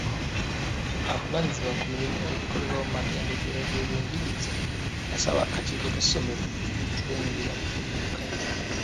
Avunaanyizibwa ku mirimu egikolebwa mu matendekero g'ebyenjigiriza yasaba akakiiko k'essomero okwenyigira mu kuliddukanya.